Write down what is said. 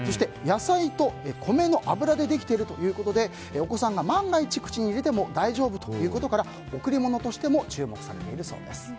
野菜と米の油でできているということでお子さんが万が一、口に入れても大丈夫ということから贈り物として注目されているそうです。